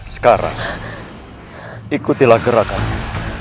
sekarang ikutilah gerakanmu